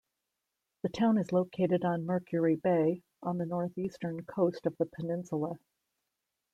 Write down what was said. The town is located on Mercury Bay, on the northeastern coast of the peninsula.